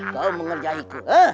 kau mengerjai aku ha